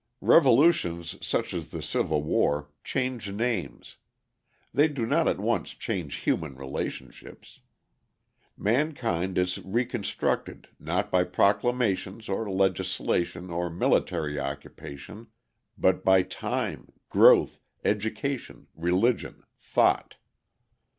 Revolutions such as the Civil War change names: they do not at once change human relationships. Mankind is reconstructed not by proclamations or legislation or military occupation, but by time, growth, education, religion, thought.